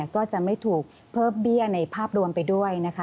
ก็จะไม่ถูกเพิ่มเบี้ยในภาพรวมไปด้วยนะคะ